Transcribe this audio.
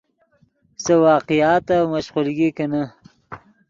سے واقعاتف مشقولگی کینے